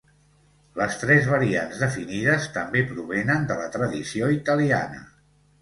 Les tres variants definides també provenen de la tradició italiana.